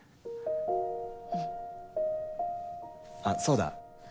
あっそうだ。